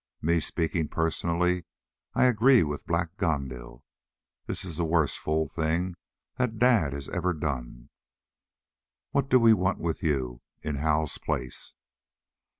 Me speaking personally, I agree with Black Gandil: This is the worst fool thing that dad has ever done. What do we want with you in Hal's place!"